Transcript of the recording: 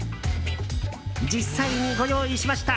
実際にご用意しました。